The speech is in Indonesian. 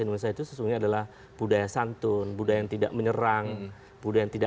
indonesia itu sesungguhnya adalah budaya santun budaya yang tidak menyerang budaya yang tidak